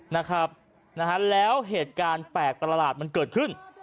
นะครับนะฮะแล้วเหตุการณ์แปลกประหลาดมันเกิดขึ้น